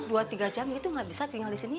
dua tiga jam itu nggak bisa tinggal di sini